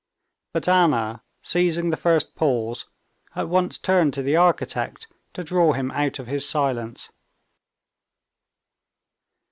But Anna, seizing the first pause, at once turned to the architect to draw him out of his silence.